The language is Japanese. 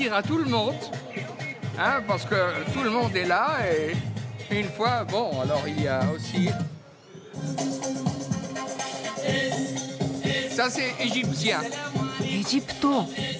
エジプト。